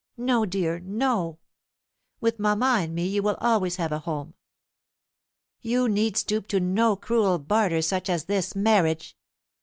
No, dear, no! With mamma and me you will always have a home. You need stoop to no cruel barter such as this marriage."